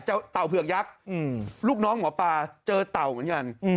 เต่าเผือกยักษ์ลูกน้องหมอปลาเจอเต่าเหมือนกัน